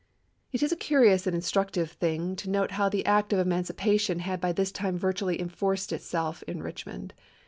It is a curious and instructive thing to note how the act of emancipation had by this time virtually lacs. enforced itself in Eichmond.